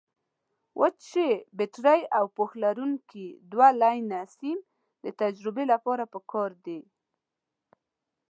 وچې بټرۍ او پوښ لرونکي دوه لینه سیم د تجربې لپاره پکار دي.